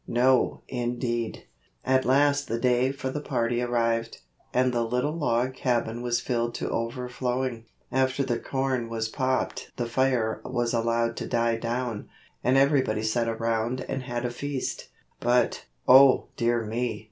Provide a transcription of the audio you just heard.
No indeed! At last the day for the party arrived, and the little Log Cabin was filled to overflowing. After the corn was popped the fire was allowed to die down, and everybody sat around and had a feast. But, oh dear me!